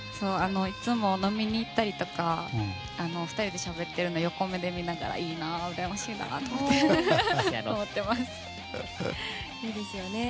いつも飲みに行ったりとか２人でしゃべってるのを横目で見ながらいいなと思ってます。